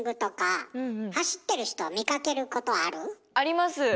走ってる人を見かけることある？あります。